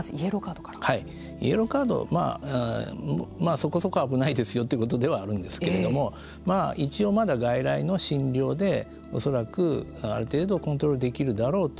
イエローカードそこそこ危ないですよということではあるんですけれども一応まだ外来の診療で恐らくある程度コントロールできるだろうと。